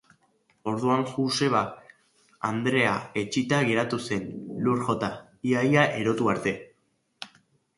Orduan Guseva andrea etsita geratu zen, lur jota, ia-ia erotu arte.